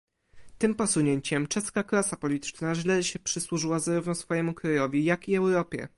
Tym posunięciem czeska klasa polityczna źle się przysłużyła zarówno swojemu krajowi, jak i Europie